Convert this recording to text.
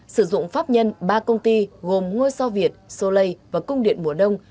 sử dụng pháp nhân ba công ty gồm ngoài so việt soleil và cung điện mùa đông